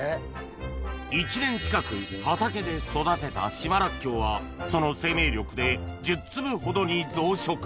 １年近く畑で育てた島らっきょうはその生命力で１０粒ほどに増殖